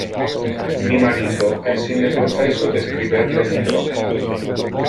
Mi marito es in le processo de scriber le libro.